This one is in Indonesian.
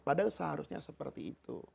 padahal seharusnya seperti itu